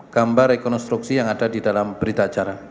gambar rekonstruksi yang ada di dalam berita acara